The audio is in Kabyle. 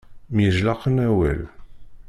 Myejlaqen awal.